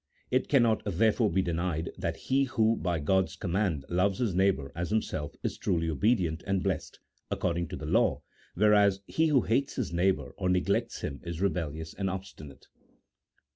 It cannot, there fore, be denied that he who by God's command loves his neighbour as himself is truly obedient and blessed accord ing to the law, whereas he who hates his neighbour or neglects him is rebellious and obstinate. 184 A THE0L0GIC0 P0LITICAL TREATISE.